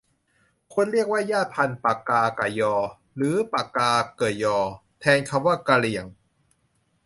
ควรเรียกว่าชาติพันธุ์ปกากะญอ หรือปกาเกอะญอ แทนคำว่ากะเหรี่ยง